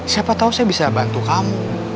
siapa tahu saya bisa bantu kamu